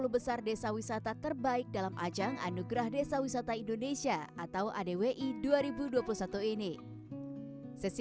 sepuluh besar desa wisata terbaik dalam ajang anugerah desa wisata indonesia atau adwi dua ribu dua puluh satu ini sesi